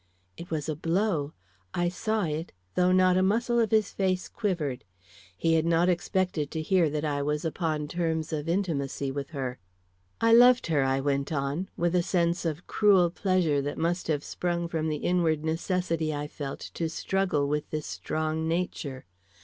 It was a blow; I saw it, though not a muscle of his face quivered. He had not expected to hear that I was upon terms of intimacy with her. "I loved her," I went on, with a sense of cruel pleasure that must have sprung from the inward necessity I felt to struggle with this strong nature.